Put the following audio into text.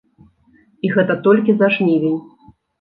І гэта толькі за жнівень.